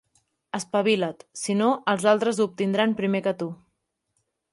Espavila't; si no, els altres ho obtindran primer que tu.